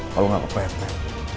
kalau gak kepepet